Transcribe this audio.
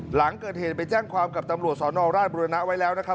หลังเกิดเหตุไปแจ้งความกับตำรวจสนราชบุรณะไว้แล้วนะครับ